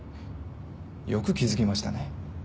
よく気付きましたね。